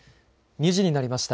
２時になりました。